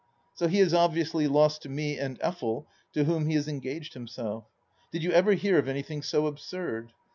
So he is obviously lost to me and Effel, to whom he has engaged himself. Did you ever hear of anything so absurd